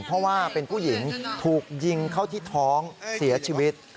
เพราะว่าเป็นผู้หญิงถูกยิงเข้าที่ท้องเสียชีวิต